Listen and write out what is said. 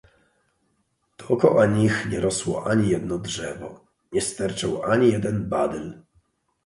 "Dokoła nich nie rosło ani jedno drzewo, nie sterczał ani jeden badyl."